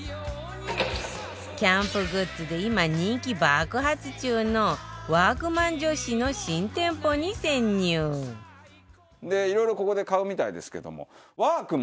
キャンプグッズで今人気爆発中の＃ワークマン女子の新店舗に潜入バカリズム：いろいろここで買うみたいですけども。